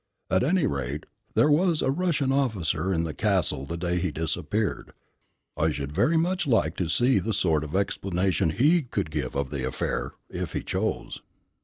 At any rate, there was a Russian officer in the Castle the day he disappeared. I should very much like to see the sort of explanation he could give of the affair, if he chose."